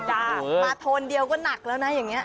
มาทนเดียวก็หนักเรอน่ะอย่างเนี่ย